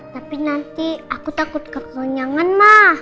tapi nanti aku takut kekenyangan mah